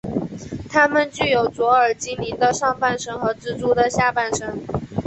他们具有卓尔精灵的上半身和蜘蛛的下半身。